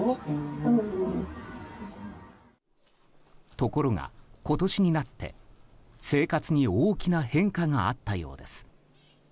ところが今年になって、生活に大きな変化があったようです。